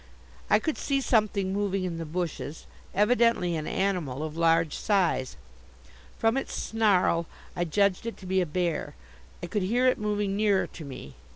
I could see something moving in the bushes, evidently an animal of large size. From its snarl I judged it to be a bear. I could hear it moving nearer to me.